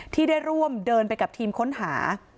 ที่ได้ร่วมเดินไปกับทีมค้นหา